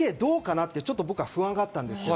って僕は不安があったんです。